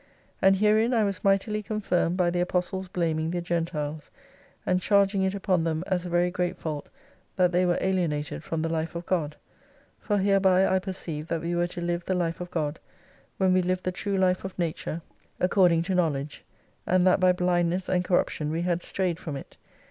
And herein I was mightily confirmed by the Apostle's blaming the Gentiles, and charging it upon them as a very great fault that they were alienated from the life of God, for hereby I perceived that we were to live the life of God, when we lived the true life of nature according Z04 to knowledge : and that by blindness and corruption we had strayed from it.